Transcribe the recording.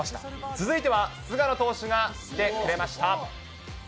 続いては菅野投手が来てくれました。